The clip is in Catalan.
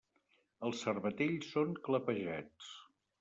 Els cervatells són clapejats.